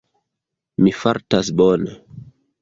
Mi fartas bone.